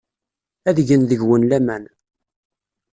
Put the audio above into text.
Ad gen deg-wen laman.